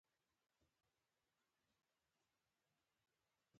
مسلمان باید د چا زړه ته درد و نه روسوي.